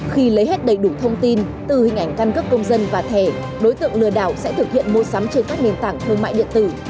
khi lấy hết đầy đủ thông tin từ hình ảnh căn cước công dân và thẻ đối tượng lừa đảo sẽ thực hiện mua sắm trên các nền tảng thương mại điện tử